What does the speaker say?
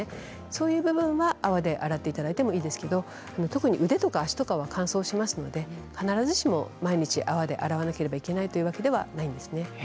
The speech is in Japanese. そういう部分は泡で洗っていただいてもいいですけど特に腕とか足は乾燥しますので必ずしも毎日泡で洗わなくてはいけないということではないんです。